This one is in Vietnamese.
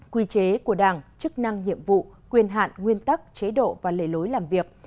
quy chế của đảng chức năng nhiệm vụ quyền hạn nguyên tắc chế độ và lề lối làm việc